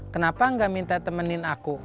kenapa nggak minta temenin aku